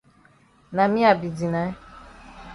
Na me I be deny.